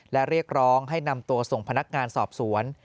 และเรียกร้องให้นำตัวส่งพนักงานสอบสวน